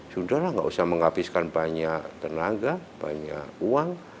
sudahlah nggak usah menghabiskan banyak tenaga banyak uang